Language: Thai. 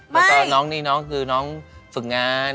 แล้วก็น้องนี่น้องคือน้องฝึกงาน